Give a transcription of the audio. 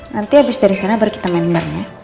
nanti habis dari sana baru kita main main ya